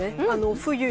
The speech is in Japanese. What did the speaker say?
冬。